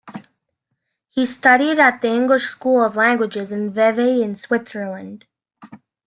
She studied at the English School of Languages in Vevey in Switzerland.